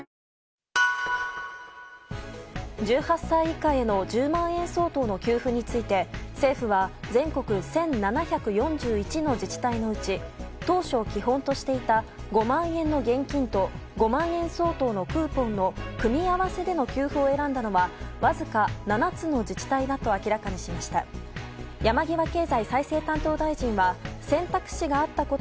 １８歳以下への１０万円相当の給付について政府は全国１７４１の自治体のうち当初、基本としていた５万円の現金と５万円相当のクーポンの組み合わせでの給付を選んだのはわずか７つの自治体だと明らかにしました。